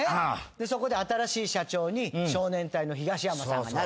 そこで新しい社長に少年隊の東山さんがなるって。